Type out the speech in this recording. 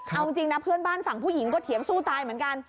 เอาจริงนะเพื่อนบ้านฝั่งผู้หญิงก็เถียงสู้ตายเหมือนกัน